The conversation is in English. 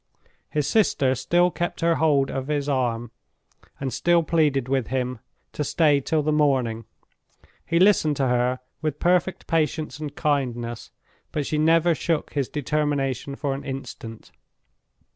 His sister still kept her hold of his arm, and still pleaded with him to stay till the morning. He listened to her with perfect patience and kindness, but she never shook his determination for an instant.